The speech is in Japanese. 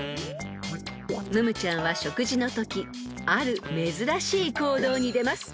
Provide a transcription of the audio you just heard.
［ムムちゃんは食事のときある珍しい行動に出ます］